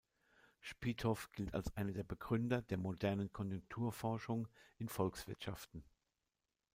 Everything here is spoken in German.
Spiethoff gilt als einer der Begründer der modernen Konjunkturforschung in Volkswirtschaften.